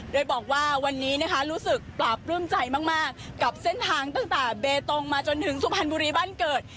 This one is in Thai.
โดยบอกว่าวันนี้นะคะรู้สึกปราบปลื้มใจมากกับเส้นทางตั้งแต่เบตงมาจนถึงสุพรรณบุรีบ้านเกิด